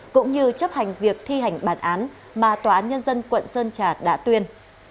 cũng như chấp hành việc thi hành bản án mà tòa án nhân dân quận sơn trà đã tuyên